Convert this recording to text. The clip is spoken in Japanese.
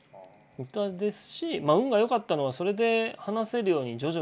ですし運が良かったのはそれで話せるように徐々になってきた。